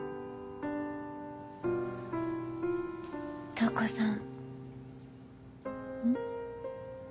瞳子さんうん？